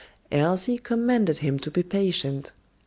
Elsie commanded him to be patient.